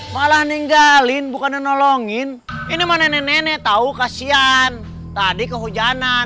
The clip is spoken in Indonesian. malah ninggalin bukan nolongin ini mana nenek tahu kasihan tadi kehujanan